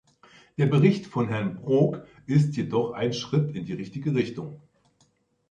Der Bericht von Herrn Brok ist jedoch ein Schritt in die richtige Richtung.